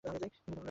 চল আলাদা হয়ে যাই।